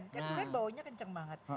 durian baunya kenceng banget